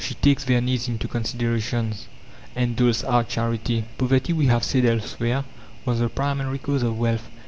She takes their needs into consideration and doles out charity. Poverty, we have said elsewhere, was the primary cause of wealth.